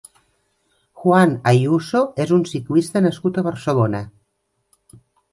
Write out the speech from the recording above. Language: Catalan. Juan Ayuso és un ciclista nascut a Barcelona.